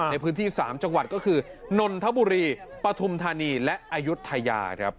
ในพื้นที่๓จังหวัดก็คือนนทบุรีปฐุมธานีและอายุทยาครับ